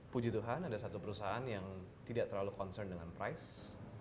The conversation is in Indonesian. puji tuhan ada satu perusahaan yang tidak terlalu concern dengan price